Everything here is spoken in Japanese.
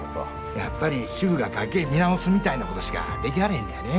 やっぱり主婦が家計見直すみたいなことしかできはれへんのやねぇ。